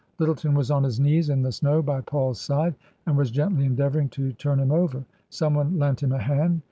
Lyttleton was on his knees in the snow by Paul's side and was gently endeavouring to turn him over. Someone lent him a hand.